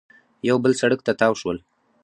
یو بل سړک ته تاو شول